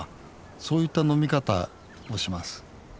そういった飲み方をします。